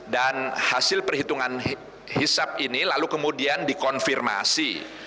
dan hasil perhitungan hisab ini lalu kemudian dikonfirmasi